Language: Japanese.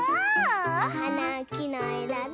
おはなをきのえだで。